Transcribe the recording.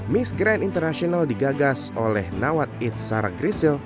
miss grand international digagas oleh nawat itzara grisil